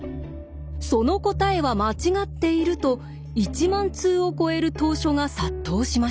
「その答えは間違っている」と１万通を超える投書が殺到しました。